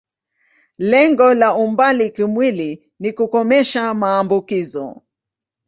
Lengo la umbali kimwili ni kukomesha maambukizo.